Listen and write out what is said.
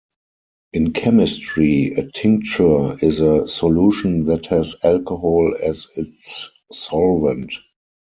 In chemistry, a tincture is a solution that has alcohol as its solvent.